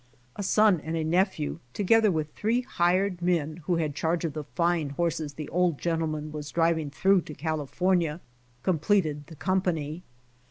A son and a nephew, together with three hired men who had charge of the fine horses the old gentleman was driving through to California, completed the company.